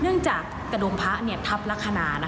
เนื่องจากกระดุมพะทับลัศนา